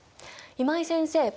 今井先生